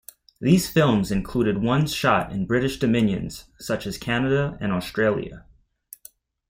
These films included ones shot in British dominions such as Canada and Australia.